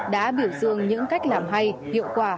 đã biểu dương những cách làm hay hiệu quả